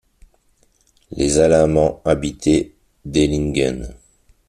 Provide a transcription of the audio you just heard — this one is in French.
Les Alamans habitaient Dehlingen.